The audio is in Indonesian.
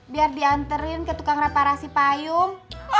biar diantarin ke tukang reparasi payung